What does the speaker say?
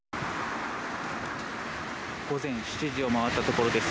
午前７時を回ったところです。